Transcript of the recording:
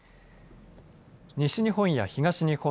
西日本や東日本